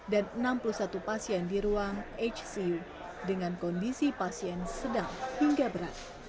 dengan kondisi pasien sedang hingga berat